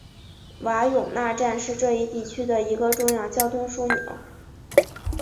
瓦永纳站是这一地区的一个重要交通枢纽。